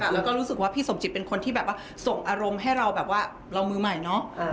แล้วก็รู้สึกว่าพี่สมจิตเป็นคนที่แบบว่าส่งอารมณ์ให้เราแบบว่าเรามือใหม่เนาะ